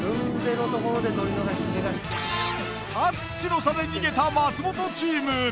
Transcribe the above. タッチの差で逃げた松本チーム。